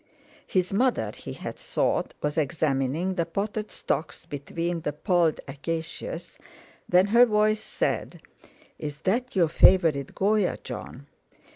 His mother, he had thought, was examining the potted stocks between the polled acacias, when her voice said: "Is that your favourite Goya, Jon?"